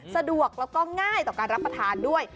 สะดวกแล้วก็ง่ายต่อการรับประทานด้วย